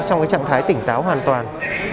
trong cái trạng thái tỉnh táo hoàn toàn